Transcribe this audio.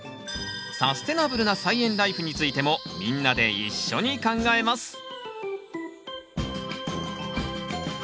サステナブルな菜園ライフについてもみんなで一緒に考えます